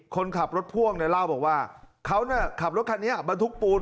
คนขับรถพ่วงเนี่ยเล่าบอกว่าเขาขับรถคันนี้บรรทุกปูน